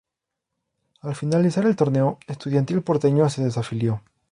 Al finalizar el torneo, Estudiantil Porteño se desafilió.